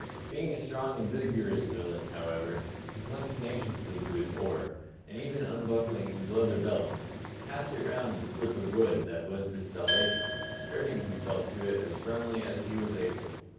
Being a strong and vigorous villain, however, he clung tenaciously to his oar, and even unbuckling his leather belt, passed it round the slip of wood that was his salvation, girding himself to it as firmly as he was able.